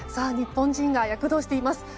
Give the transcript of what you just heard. さあ、日本人が躍動しています。